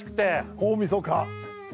大みそか。